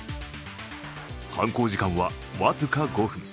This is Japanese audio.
犯行時間は僅か５分。